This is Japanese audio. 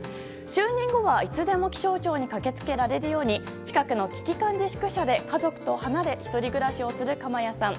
就任後は、いつでも気象庁に駆け付けられるように近くの危機管理宿舎で家族と離れ１人暮らしをする鎌谷さん。